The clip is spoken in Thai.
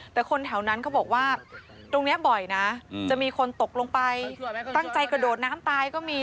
แต่ตรงนี้บ่อยนะจะมีคนตกลงไปตั้งใจกระโดดน้ำตายก็มี